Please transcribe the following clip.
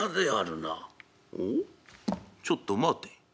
ちょっと待て。